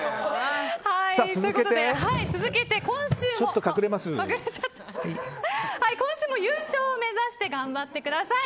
今週も優勝を目指して頑張ってください。